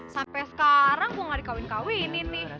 sampai sekarang gue gak dikawin kawinin nih